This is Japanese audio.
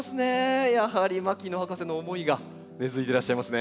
やはり牧野博士の思いが根づいてらっしゃいますね。